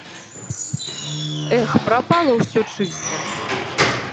Эх, прапала ўсё чыста!